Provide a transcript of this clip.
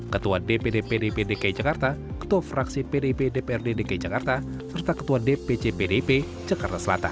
ketua dpp pd pd dki jakarta ketua fraksi pd pd dpr dki jakarta serta ketua dpc pd pd jakarta selatan